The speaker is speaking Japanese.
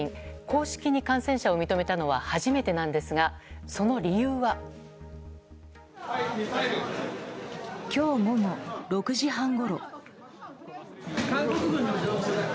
公式に感染者を認めたのは初めてなんですがその理由は。今日午後６時半ごろ。